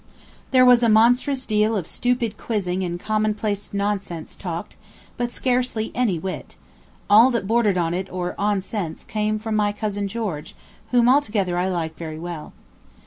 There was a monstrous deal of stupid quizzing and common place nonsense talked, but scarcely any wit; all that bordered on it or on sense came from my cousin George, whom altogether I like very well.